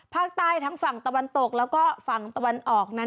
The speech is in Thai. ภาคใต้ทั้งฝั่งตะวันตกและฝั่งตะวันออก